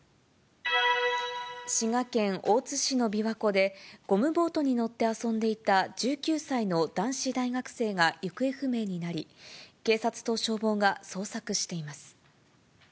滋賀県大津市の琵琶湖で、ゴムボートに乗って遊んでいた１９歳の男子大学生が行方不明になり、警察と消防が捜索しています。